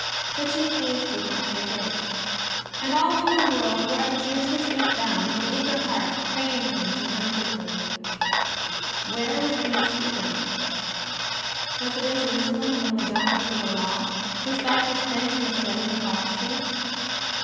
Such as these did not forget. And all over the world, wherever Jews were to be found, were eager hearts praying Him to come quickly. Where was the most eager ? Was it in Jerusalem among the doctors of the Law, whose life was spent in the study of the prophecies